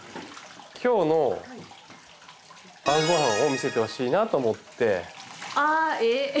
今日の晩ご飯を見せてほしいなと思って。